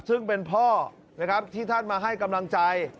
ซึ่งเป็นพ่อนะครับที่ท่านมาให้กำลังใจ